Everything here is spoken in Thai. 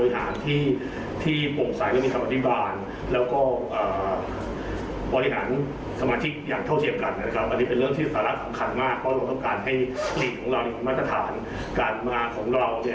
หากมากก็เราต้องการให้ปริกของเราในประมาทสถานการมาของเรา